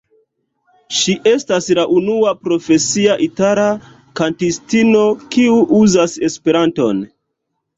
Ŝi estas la unua profesia itala kantistino, kiu uzas esperanton.